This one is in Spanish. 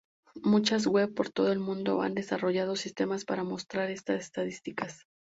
Muchas web por todo el mundo han desarrollado sistemas para mostrar estas estadísticas.